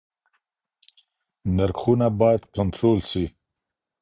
نرخونه بايد کنټرول سي.